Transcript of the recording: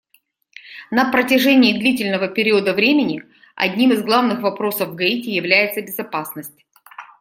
На протяжении длительного периода времени одним из главных вопросов в Гаити является безопасность.